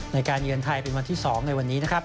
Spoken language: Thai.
เยือนไทยเป็นวันที่๒ในวันนี้นะครับ